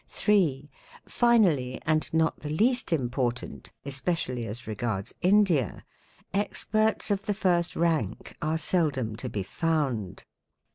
3. Finally and not the least important, especially as regards India, experts of the first rank are seldom to be found.